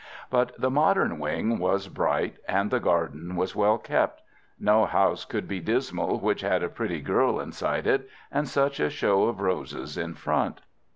But the modern wing was bright and the garden was well kept. No house could be dismal which had a pretty girl inside it and such a show of roses in front.